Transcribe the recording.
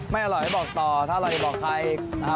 ไม่อร่อยให้บอกต่อถ้าอร่อยให้บอกใคร